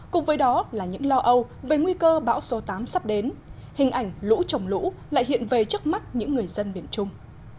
cùng với đó là những lo âu về nguy cơ bão số tám sắp đến hình ảnh lũ trồng lũ lại hiện về trước mắt những người dân miền trung